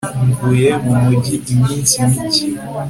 mvuye mu mujyi iminsi mike